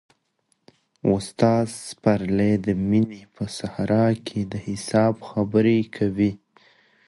استاد پسرلی د مینې په صحرا کې د حساب خبره کوي.